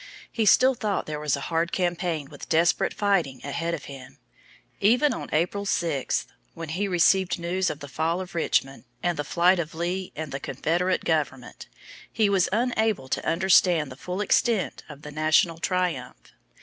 He still thought there was a hard campaign with desperate fighting ahead of him. Even on April 6, when he received news of the fall of Richmond and the flight of Lee and the Confederate government, he was unable to understand the full extent of the national triumph.